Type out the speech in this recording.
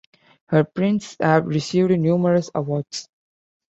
Her prints have received numerous awards.